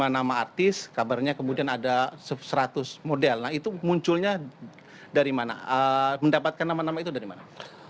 lima nama artis kabarnya kemudian ada seratus model nah itu munculnya dari mana mendapatkan nama nama itu dari mana